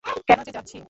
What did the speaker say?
কেন যে যাচ্ছি?